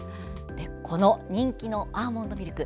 この人気のアーモンドミルク